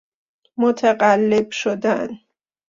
متلقب شدن